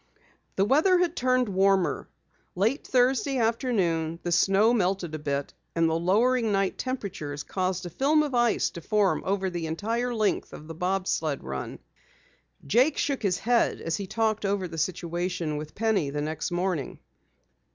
The weather had turned warmer. Late Thursday afternoon the snow melted a bit and the lowering night temperatures caused a film of ice to form over the entire length of the bob sled run. Jake shook his head as he talked over the situation with Penny the next morning.